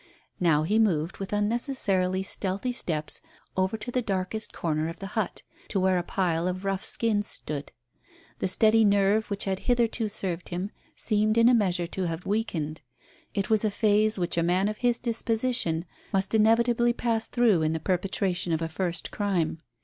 Now he moved with unnecessarily stealthy steps over to the darkest corner of the hut, to where a pile of rough skins stood. The steady nerve which had hitherto served him seemed in a measure to have weakened. It was a phase which a man of his disposition must inevitably pass through in the perpetration of a first crime.